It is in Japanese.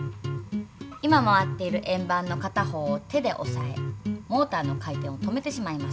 今回っている円ばんの片方を手でおさえモーターの回転を止めてしまいます。